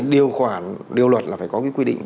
điều khoản điều luật là phải có quy định